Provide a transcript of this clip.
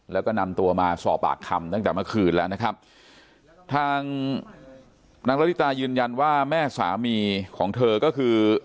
แล้วก็นำตัวมาสอบปากคำตั้งแต่เมื่อคืนแล้วนะครับทางนางละลิตายืนยันว่าแม่สามีของเธอก็คือ